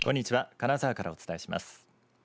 金沢からお伝えします。